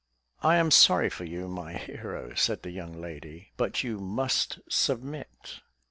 "I am sorry for you, my hero," said the young lady; "but you must submit."